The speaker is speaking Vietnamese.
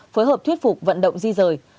phối hợp thuyết phục vận động di rời